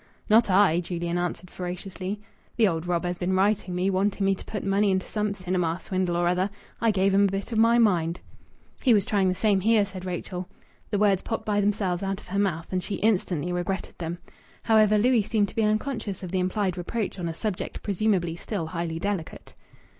"Not I!" Julian answered ferociously. "The old robber has been writing me, wanting me to put money into some cinema swindle or other. I gave him a bit of my mind." "He was trying the same here," said Rachel. The words popped by themselves out of her mouth, and she instantly regretted them. However, Louis seemed to be unconscious of the implied reproach on a subject presumably still highly delicate.